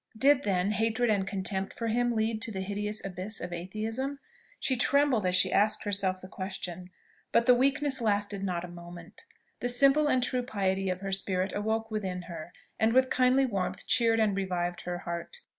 Did, then, hatred and contempt for him lead to the hideous abyss of Atheism? She trembled as she asked herself the question; but the weakness lasted not a moment: the simple and true piety of her spirit awoke within her, and with kindly warmth cheered and revived her heart.